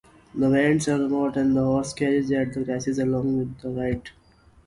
The band are aboard a horse carriage that cruises along a forest.